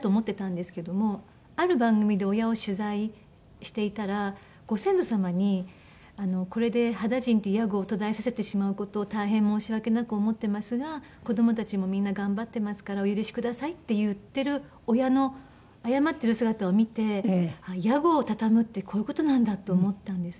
ある番組で親を取材していたらご先祖様に「これで羽田甚って屋号を途絶えさせてしまう事を大変申し訳なく思ってますが子供たちもみんな頑張ってますからお許しください」って言ってる親の謝ってる姿を見て屋号を畳むってこういう事なんだと思ったんです。